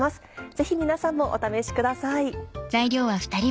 ぜひ皆さんもお試しください。